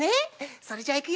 それじゃいくよ！